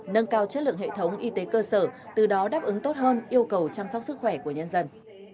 nâng cao chất lượng hệ thống y tế cơ sở từ đó đáp ứng tốt hơn yêu cầu chăm sóc sức khỏe của nhân dân